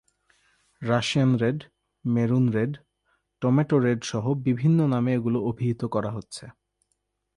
Russian red, maroon red, tomato রেডসহ বিভিন্ন নামে এগুলো অভিহিত করা হচ্ছে।